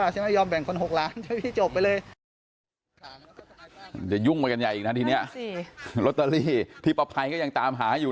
จะยุ่งมันกันใหญ่อีกนะทีนี้รอเตอรี่ที่ประไพยก็ยังตามหาอยู่